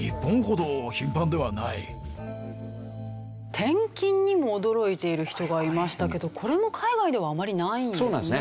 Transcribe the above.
転勤にも驚いている人がいましたけどこれも海外ではあまりないんですね。